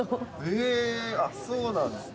へぇそうなんですね。